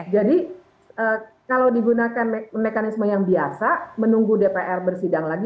jadi kalau digunakan mekanisme yang biasa menunggu dpr bersidang lagi